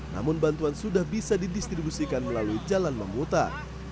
namun bantuan sudah bisa didistribusikan melalui jalan memutar